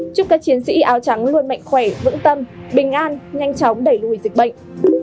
chúc các chiến sĩ áo trắng luôn mạnh khỏe vững tâm bình an nhanh chóng đẩy lùi dịch bệnh